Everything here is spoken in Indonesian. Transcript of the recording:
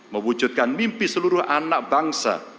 mewujudkan mimpi seluruh anak bangsa